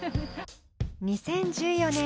２０１４年